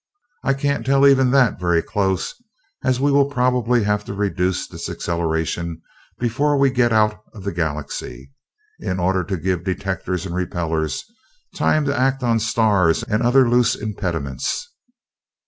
I can't tell even that very close, as we will probably have to reduce this acceleration before we get out of the Galaxy, in order to give detectors and repellers time to act on stars and other loose impediments.